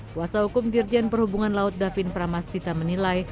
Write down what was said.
kuasa hukum dirjen perhubungan laut davin pramastita menilai